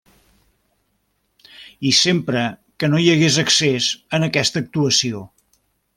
I sempre que no hi hagués excés en aquesta actuació.